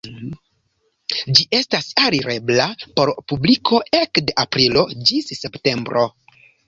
Ĝi estas alirebla por publiko ekde aprilo ĝis septembro.